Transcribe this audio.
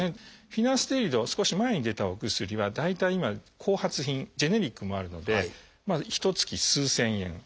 「フィナステリド」少し前に出たお薬は大体今後発品ジェネリックもあるのでひとつき数千円。